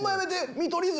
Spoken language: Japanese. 「見取り図」